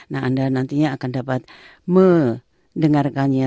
nah anda nantinya akan dapat mendengarkannya